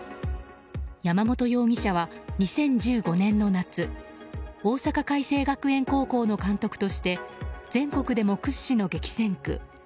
山本容疑者は２０１５年の夏大阪偕星学園高校の監督として全国でも屈指の激戦区